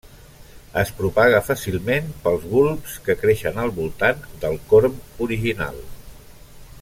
Es propaga fàcilment pels bulbs que creixen al voltant del corm original.